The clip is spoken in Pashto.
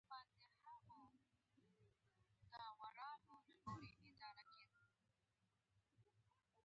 ځغاسته د ذهن پرانستې دروازې ده